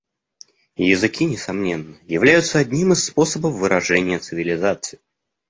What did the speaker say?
Языки, несомненно, являются одним из способов выражения цивилизации.